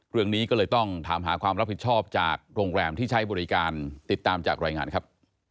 เรื่องนี้ก็เลยต้องถามหาความรับผิดชอบจากโรงแรมที่ใช้บริการติดตามจากรายงานครับ